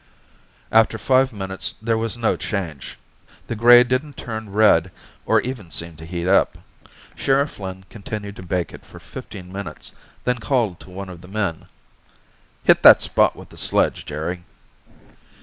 After five minutes, there was no change. The gray didn't turn red or even seem to heat up. Sheriff Flynn continued to bake it for fifteen minutes, then called to one of the men. "Hit that spot with the sledge, Jerry."